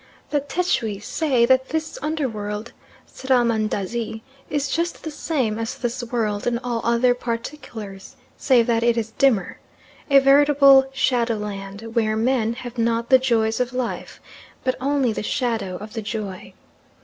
The Tschwis say that this under world, Srahmandazi, is just the same as this world in all other particulars, save that it is dimmer, a veritable shadow land where men have not the joys of life, but only the shadow of the joy.